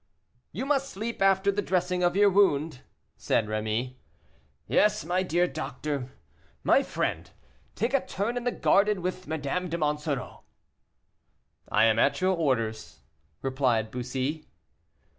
"You must sleep after the dressing of your wound," said Rémy. "Yes, my dear doctor. My friend, take a turn in the garden with Madame de Monsoreau." "I am at your orders," replied Bussy.